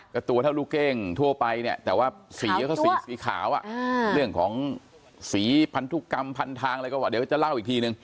ก็ตัวเท่าลูกเก้งทั่วไปเนี่ยแต่ว่าสีก็สีขาวเรื่องของสีพันธุกรรมพันทางอะไรก็ว่าเดี๋ยวจะเล่าอีกทีนึง